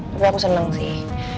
tapi aku seneng sih